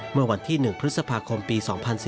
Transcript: เมื่อวันที่๑พฤษภาคมปี๒๔